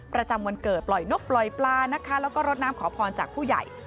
ประจำวันเกิดปล่อยนกปล่อยปลานะคะแล้วก็รดน้ำขอพรจากผู้ใหญ่